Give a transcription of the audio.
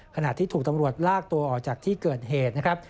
ขณะที่ถูกตำรวจลากตัวออกจากที่เกิดเหตุนะครับ